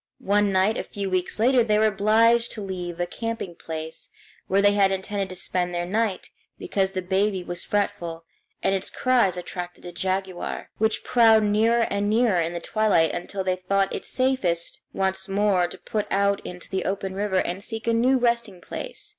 One night a few weeks later they were obliged to leave a camping place, where they had intended to spend the night, because the baby was fretful, and its cries attracted a jaguar, which prowled nearer and nearer in the twilight until they thought it safest once more to put out into the open river and seek a new resting place.